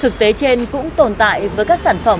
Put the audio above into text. thực tế trên cũng tồn tại với các sản phẩm